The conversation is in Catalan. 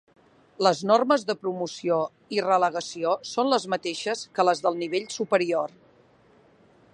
Les normes de promoció i relegació són les mateixes que les del nivell superior.